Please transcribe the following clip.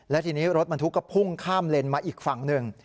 และทีนี้รถบรรทุกก็พุ่งข้ามเลนมาอีกฝั่งหนึ่ง